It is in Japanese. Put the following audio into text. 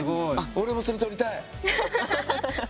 俺もそれ撮りたい。